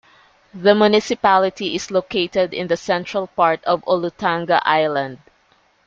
The municipality is located in the central part of Olutanga Island.